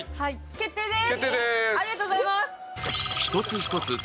決定です。